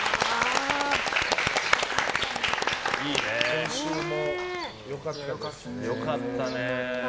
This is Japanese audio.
今週も良かったですね。